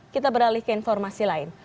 kita beralih ke informasi lain